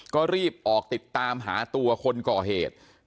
ก็รีบออกติดตามหาตัวคนก่อเหตุ